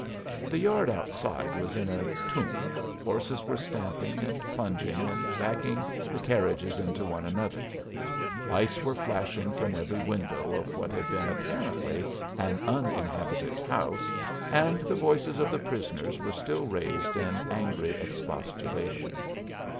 The yard outside was in a tumult, horses were stamping, and plunging, and backing the carriages into one another; lights were flashing from every window of what had been apparently an uninhabited house, and the voices of the prisoners were still raised in angry expostulation.